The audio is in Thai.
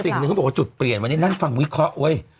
สิ่งหนึ่งเขาบอกว่าจุดเปลี่ยนวันนี้นั่งฟังวิเคราะห์เว้ย